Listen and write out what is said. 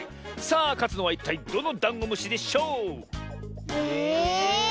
さあかつのはいったいどのダンゴムシでしょう⁉え。